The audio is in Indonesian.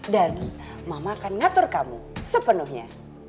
dan mama akan ngatur kamu sepenuhnya